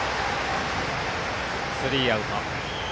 スリーアウト。